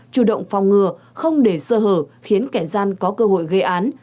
chủ động phòng ngừa không để sơ hở khiến kẻ gian có cơ hội gây án